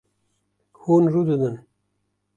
Hûn rûdinin